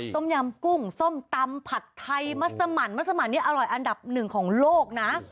ต้มยำกุ้งส้มตำผัดไทยมัสมันมัสมันนี่อร่อยอันดับหนึ่งของโลกนะ